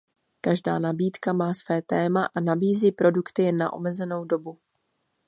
Každá nabídka má své téma a nabízí produkty jen na omezenou dobu.